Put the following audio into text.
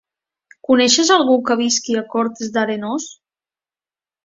Coneixes algú que visqui a Cortes d'Arenós?